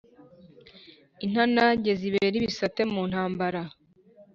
Intanage zibera ibisate mu ntambara